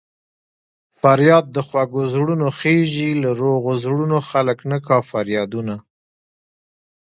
فریاد د خوږو زړونو خېژي له روغو زړونو خلک نه کا فریادونه